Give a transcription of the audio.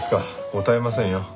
答えませんよ。